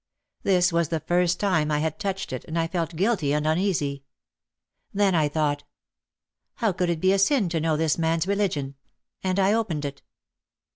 This was the first time I had touched it and I felt guilty and uneasy. Then I thought, "How could it be a sin to know this man's re ligion ?" and I opened it.